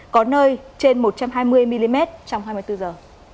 có nơi trên một trăm hai mươi mm trong hai mươi bốn giờ